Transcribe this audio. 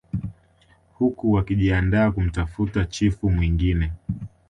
Huku wakijiandaa kumtafuta chifu mwingine